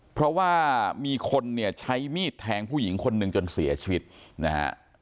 เพราะว่ามีคนเนี่ยใช้มีดแทงผู้หญิงคนหนึ่งจนเสียชีวิตนะฮะ